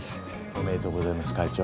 おめでとうございます会長。